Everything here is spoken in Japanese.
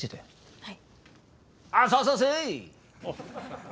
はい！